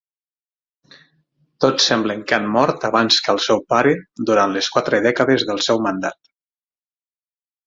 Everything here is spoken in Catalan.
Tots semblen que han mort abans que el seu pare durant les quatre dècades del seu mandat.